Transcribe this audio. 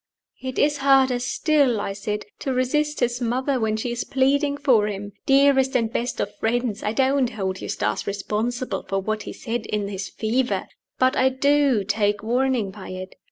"It is harder still," I said, "to resist his mother when she is pleading for him. Dearest and best of friends! I don't hold Eustace responsible for what he said in the fever but I do take warning by it.